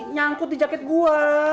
nyangkut di jaket gua